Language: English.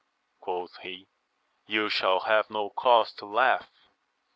quoth he : you shall have no cause to laugh.